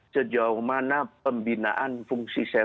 sejauh mana pembinaan fungsi seseorang